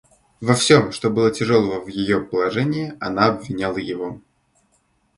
Во всем, что было тяжелого в ее положении, она обвиняла его.